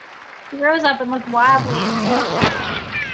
He rose up and looked wildly at Celia.